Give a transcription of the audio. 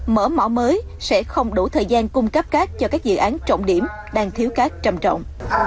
mở mỏ mới sẽ không đủ thời gian cung cấp cát cho các dự án trọng điểm đang thiếu cát trầm trọng